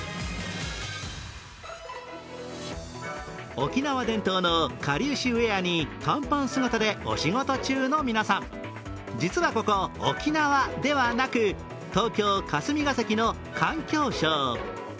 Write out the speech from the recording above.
沖縄伝統のかりゆしウエアに短パン姿でお仕事中の皆さん、実はここ、沖縄ではなく東京・霞が関の環境省。